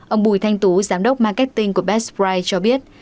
ông bùi thanh tú giám đốc marketing của bespride cho biết